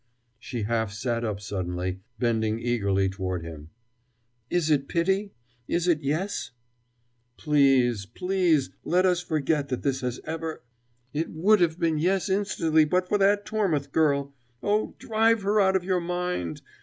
She half sat up suddenly, bending eagerly toward him. "Is it pity? Is it 'yes'?" "Please, please, let us forget that this has ever " "It would be 'yes' instantly but for that Tormouth girl! Oh, drive her out of your mind!